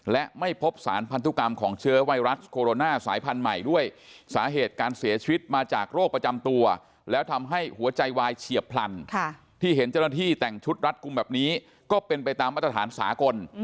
และไม่พบสารพันธุกรรมของเชื้อไวรัสโคโรนาสายพันธุ์ใหม่ด้วยสาเหตุการเสียชีวิตมาจากโรคประจำตัวแล้วทำให้หัวใจวายเฉียบพลันที่เห็นเจ้าหน้าที่แต่งชุดรัดกลุ่มแบบนี้ก็เป็นไปตามมาตรฐานสากล